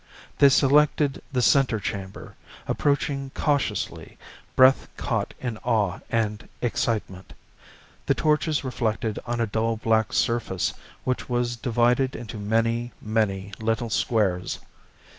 They selected the center chamber, approaching cautiously, breath caught in awe and excitement. The torches reflected on a dull black surface which was divided into many, many little squares.